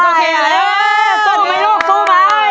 สู้ไหมลูกสู้ไหม